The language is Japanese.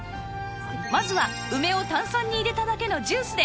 まずは梅を炭酸に入れただけのジュースで乾杯！